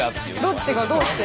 どっちがどうして？